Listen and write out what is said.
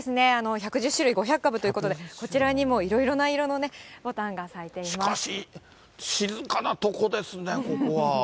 １１０種類５００株ということで、こちらにもいろいろな色のね、ぼしかし、静かな所ですね、ここは。